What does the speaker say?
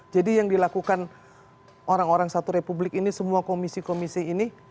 jadi yang dilakukan orang orang satu republik ini semua komisi komisi ini